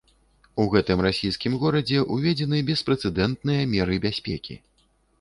У гэтым расійскім горадзе ўведзеныя беспрэцэдэнтныя меры бяспекі.